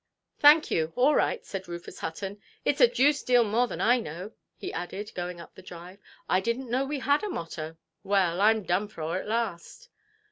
"Thank you, all right", said Rufus Hutton; "itʼs a deuced deal more than I know", he added, going up the drive. "I didnʼt know we had a motto. Well, Iʼm done for at last"!